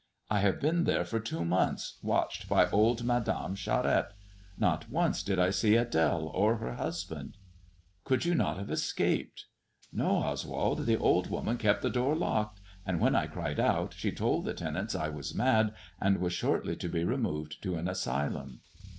T have been there for two months, watched by old Madame Charette. Not once did I see AdMe or her husband." " Could you not have escaped 1 "" No, Oswald. The old woman kept the door locked, and, when I cried out, she told the tenants I was mad and was shortly to be removed to an asylum."